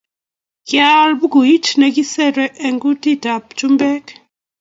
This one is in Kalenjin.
Ki aal bukuit ne ki kisir eng kutit ab chumbek